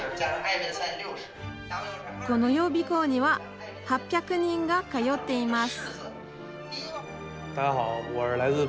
この予備校には８００人が通っています。